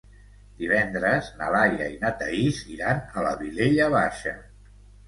Divendres na Laia i na Thaís iran a la Vilella Baixa.